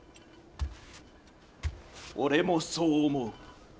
俺もそう思う。